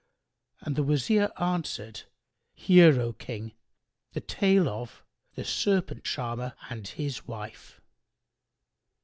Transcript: and the Wazir answered, "Hear, O King the tale of The Serpent charmer and his Wife.